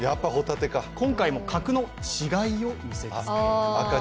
今回も格の違いを見せています。